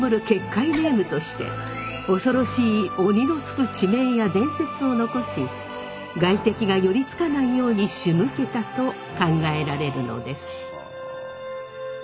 結界ネームとして恐ろしい鬼の付く地名や伝説を残し外敵が寄りつかないようにしむけたと考えられるのです。